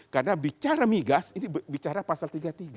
karena bicara migas ini bicara pasal tiga puluh tiga